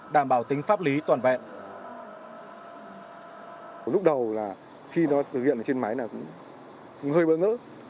đảm bảo tính pháp lý toàn vẹn